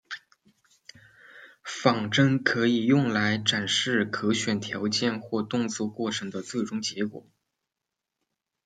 仿真可以用来展示可选条件或动作过程的最终结果。